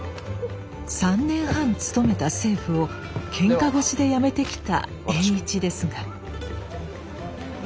３年半勤めた政府をけんか腰で辞めてきた栄一ですが。